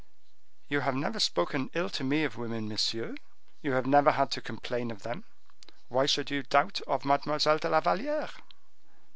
"You have never spoken ill to me of women, monsieur; you have never had to complain of them; why should you doubt of Mademoiselle de la Valliere?"